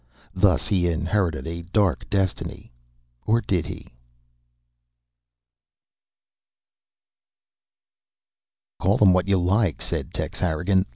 Thus he inherited a dark destiny or did he?_ "Call them what you like," said Tex Harrigan.